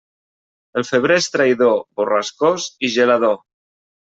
El febrer és traïdor, borrascós i gelador.